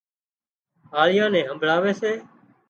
هاۯيئان نين همڀۯاوي سي